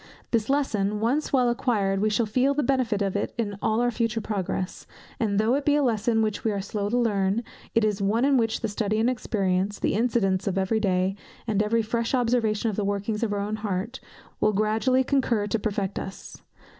This lesson once well acquired, we shall feel the benefit of it in all our future progress; and though it be a lesson which we are slow to learn, it is one in which study and experience, the incidents of every day, and every fresh observation of the workings of our own hearts, will gradually concur to perfect us.